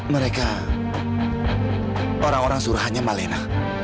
mereka orang orang suruhannya malena